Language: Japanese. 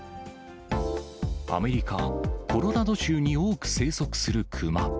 アメリカ・コロラド州に多く生息する熊。